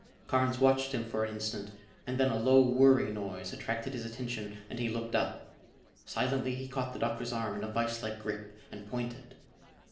Carnes watched him for an instant and then a low whirring noise attracted his attention and he looked up. Silently he caught the Doctor's arm in a viselike grip and pointed.